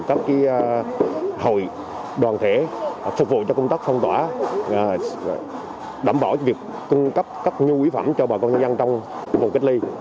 các hội đoàn thể phục vụ cho công tác phong tỏa đảm bảo việc cung cấp các nguyên quý phẩm cho bà con nhân dân trong khu cách ly